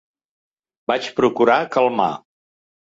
Vaig procurar calmar.